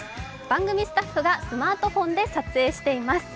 番組スタッフがスマートフォンで撮影しています。